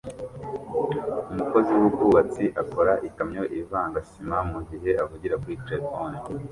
Umukozi wubwubatsi akora ikamyo ivanga sima mugihe avugana kuri terefone